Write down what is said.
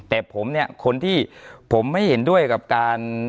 แต่ผมเนี่ยคนที่ผมไม่เห็นด้วยกับการ